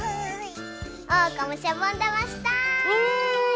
おうかもしゃぼんだましたい！